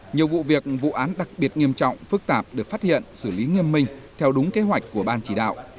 nhiều vụ việc vụ án đặc biệt nghiêm trọng phức tạp được phát hiện xử lý nghiêm minh theo đúng kế hoạch của ban chỉ đạo